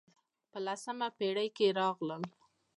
په لسمه پېړۍ کې راغلل.